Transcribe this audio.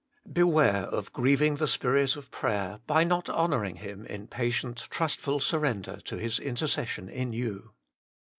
Beware of grieving the Spirit of prayer, by not honouring Him in patient, trustful surrender to His intercession in you.